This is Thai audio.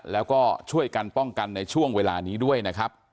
แล้วก็ช่วยกันป้องกันในช่วงเวลานี้ด้วยนะครับ